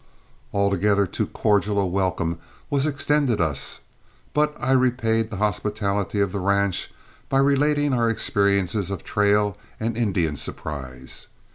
Altogether too cordial a welcome was extended us, but I repaid the hospitality of the ranch by relating our experiences of trail and Indian surprise.